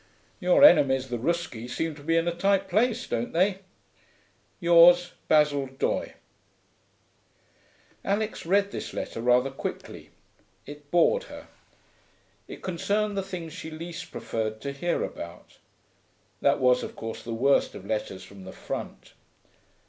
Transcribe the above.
Your enemies the Ruski seem to be in a tight place, don't they? Yours, 'BASIL DOYE.' Alix read this letter rather quickly. It bored her. It concerned the things she least preferred to hear about. That was, of course, the worst of letters from the front.